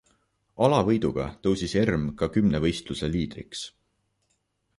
Alavõiduga tõusis Erm ka kümnevõistluse liidriks.